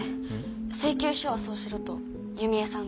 請求書はそうしろと弓江さんが。